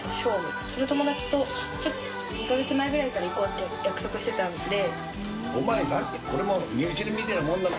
修友達と２か月前ぐらいから行こうって約束してたんで。